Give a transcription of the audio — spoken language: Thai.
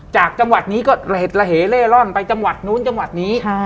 จากจังหวัดนี้ก็ระเหเล่ร่อนไปจังหวัดนู้นจังหวัดนี้